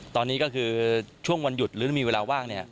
ตอนนี้ก็คือช่วงวันหยุดหรือมีเวลาว่าง